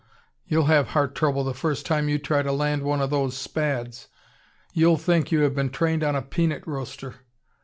"Humph! You'll have heart trouble the first time you try to land one of those Spads. You'll think you have been trained on a peanut roaster.